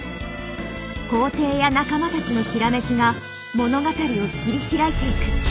皇帝や仲間たちの閃きが物語を切り拓いていく。